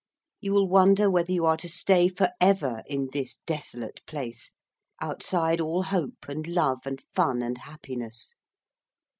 You will wonder whether you are to stay for ever in this desolate place, outside all hope and love and fun and happiness.